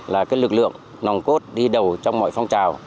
là cái lực lượng nồng cốt đi đầu trong mọi phong trào